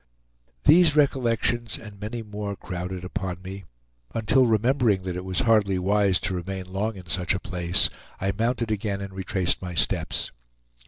These recollections, and many more, crowded upon me, until remembering that it was hardly wise to remain long in such a place, I mounted again and retraced my steps.